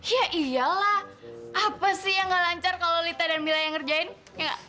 ya iyalah apa sih yang gak lancar kalau lita dan mila yang ngerjain